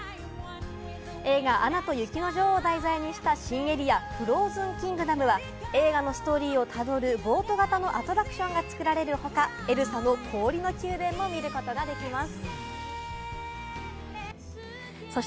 映画『アナと雪の女王』を題材にした新エリア・フローズンキングダムは、映画のストーリーをたどるボート型のアトラクションが作られる他、エルサの氷の宮殿も見ることができます。